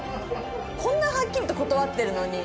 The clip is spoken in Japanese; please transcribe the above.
こんなはっきりと断ってるのに。